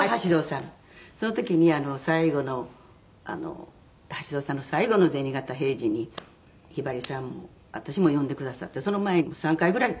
その時に最後の橋蔵さんの最後の『銭形平次』にひばりさん私も呼んでくださってその前に３回ぐらい